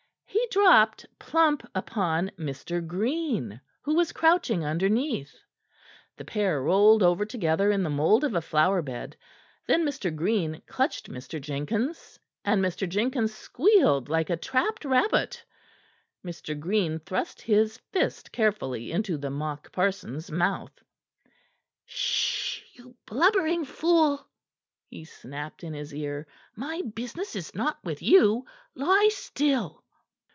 He dropped plump upon Mr. Green, who was crouching underneath. The pair rolled over together in the mould of a flowerbed; then Mr. Green clutched Mr. Jenkins, and Mr. Jenkins squealed like a trapped rabbit. Mr. Green thrust his fist carefully into the mockparson's mouth. "Sh! You blubbering fool!" he snapped in his ear. "My business is not with you. Lie still!"